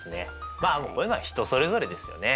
まあこういうのは人それぞれですよね。